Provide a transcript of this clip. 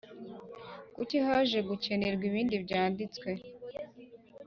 Kuki haje gukenerwa ibindi Byanditswe